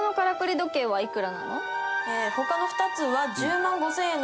他の２つは。